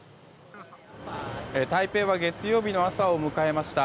台北は月曜日の朝を迎えました。